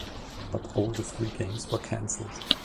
But all the three games were cancelled.